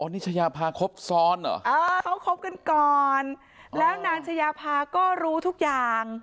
นิชยาพาครบซ้อนเหรอเออเขาคบกันก่อนแล้วนางชายาพาก็รู้ทุกอย่าง